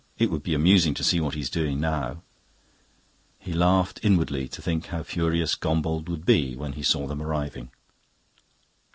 "It would be amusing to see what he's doing now." He laughed inwardly to think how furious Gombauld would be when he saw them arriving.